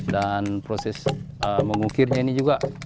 dan proses mengukirnya ini juga